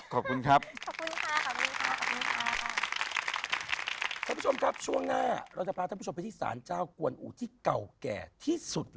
โปรดติดตามตอนต่อไป